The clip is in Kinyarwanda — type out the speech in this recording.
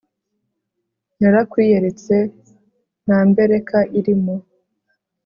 narakwiyeretse nta mbereka irimo